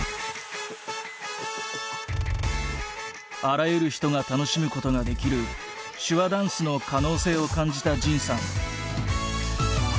あらゆる人が楽しむことができる手話ダンスの可能性を感じた仁さん。